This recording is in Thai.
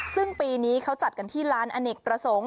ซึ่งปีนี้เขาจัดกันที่ร้านอเนกประสงค์